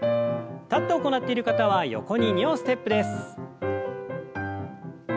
立って行っている方は横に２歩ステップです。